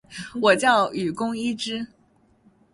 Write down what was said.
我叫雨宫伊织！